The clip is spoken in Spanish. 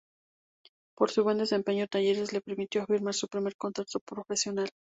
Por su buen desempeño Talleres le permitió firmar su primer contrato profesional.